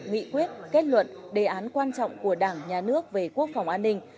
nghị quyết kết luận đề án quan trọng của đảng nhà nước về quốc phòng an ninh